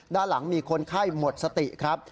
ด้านหลังมีคนไข้หมดสติครับ